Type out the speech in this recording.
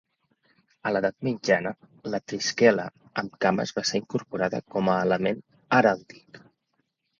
A l’edat mitjana la trisquela amb cames va ser incorporada com a element heràldic.